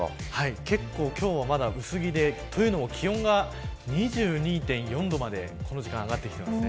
今日は薄着で、というのも気温が２２．４度まで、この時間上がってきています。